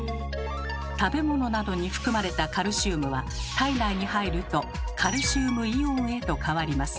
食べ物などに含まれたカルシウムは体内に入るとカルシウムイオンへと変わります。